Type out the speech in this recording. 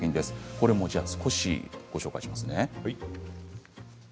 これも少しご紹介します。